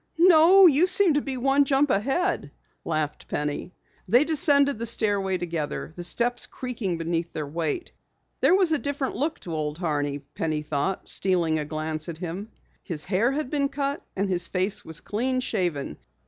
"No, you seem to be one jump ahead," laughed Penny. They descended the stairway together, the steps creaking beneath their weight. There was a different look to Old Horney, Penny thought, stealing a glance at him. His hair had been cut and his face was clean shaven.